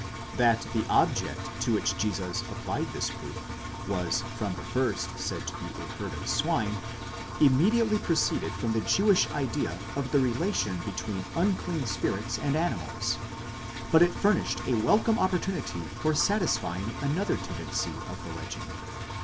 That the object to which Jesus applied this proof, was from the first said to be a herd of swine, immediately pro needed from the Jewish idea of the relation between unclean spirits and animals, but it furnished a welcome opportunity for satisfying another ten dency of the legend.